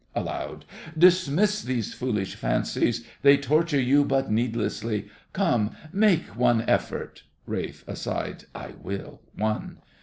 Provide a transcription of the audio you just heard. (Aloud.) Dismiss these foolish fancies, they torture you but needlessly. Come, make one effort. RALPH (aside). I will—one.